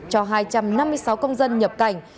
cho hai trăm năm mươi sáu công dân nhập cảnh